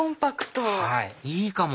いいかも！